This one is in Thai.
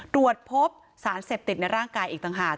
ตรวจพบสารเสพติดในร่างกายอีกต่างหาก